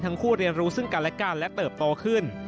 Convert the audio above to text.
ทั้งคู่เรียนรู้ซึ่งกันและกันและเติบโตขึ้น